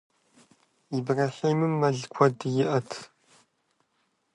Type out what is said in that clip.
Ибрэхьимым мэл куэд иӏэт.